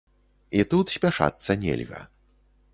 І тут спяшацца нельга.